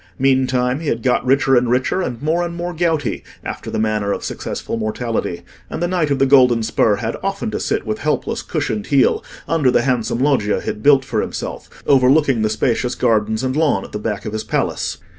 Meantime he had got richer and richer, and more and more gouty, after the manner of successful mortality; and the Knight of the Golden Spur had often to sit with helpless cushioned heel under the handsome loggia he had built for himself, overlooking the spacious gardens and lawn at the back of his palace.